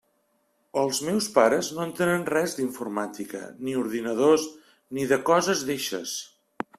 Els meus pares no entenen res d'informàtica ni ordinadors ni de coses d'eixes.